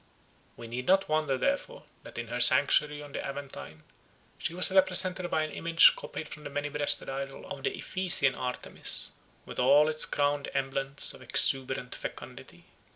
We need not wonder, therefore, that in her sanctuary on the Aventine she was represented by an image copied from the many breasted idol of the Ephesian Artemis, with all its crowded emblems of exuberant fecundity.